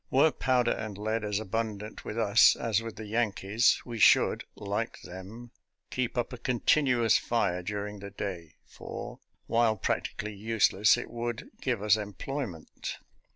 Were powder and lead as abundant with us as with the Yankees, we should, like them, keep up a continuous fire during the day, for, while practically useless it would give us employment.